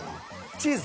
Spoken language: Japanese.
チーズ！